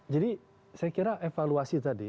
jadi saya kira evaluasi tadi